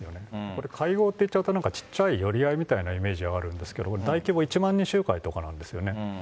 これ、会合って言っちゃうと、ちっちゃい寄り合いみたいなイメージがあるんですけども、大規模１万人集会とかなんですよね。